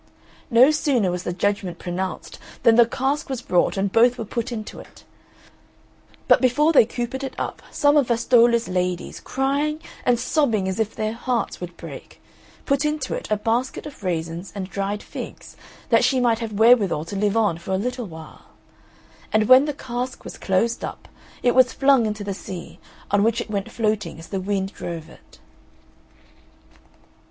No sooner was the judgment pronounced, than the cask was brought and both were put into it; but before they coopered it up, some of Vastolla's ladies, crying and sobbing as if their hearts would break, put into it a basket of raisins and dried figs that she might have wherewithal to live on for a little while. And when the cask was closed up, it was flung into the sea, on which it went floating as the wind drove it.